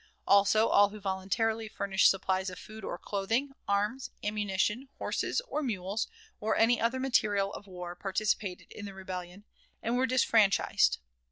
Also all who voluntarily furnished supplies of food, or clothing, arms, ammunition, horses, or mules, or any other material of war, participated in the rebellion," and were disfranchised.